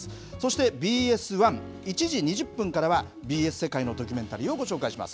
そしてＢＳ１、１時２０分からは、ＢＳ世界のドキュメンタリーをご紹介します。